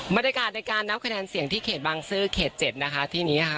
มาด้วยการในการนับคะแนนเสียงที่เขตบางซื่อเขตเจ็ดนะคะที่นี้นะคะ